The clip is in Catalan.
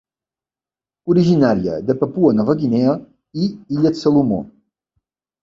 Originària de Papua Nova Guinea i Illes Salomó.